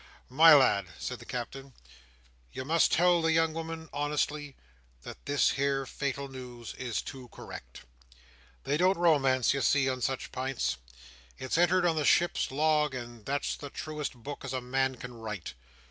"My lad," said the Captain, "you must tell the young woman honestly that this here fatal news is too correct. They don't romance, you see, on such pints. It's entered on the ship's log, and that's the truest book as a man can write.